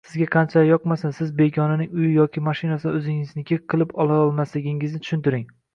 Sizga qanchalar yoqmasin siz begonaning uyi yoki mashinasini o‘zingizniki qilib olomasligingizni tushuntiring.